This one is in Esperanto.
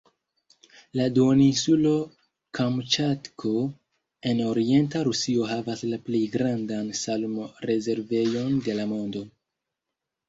La duoninsulo Kamĉatko en orienta Rusio havas la plej grandan salmo-rezervejon de la mondo.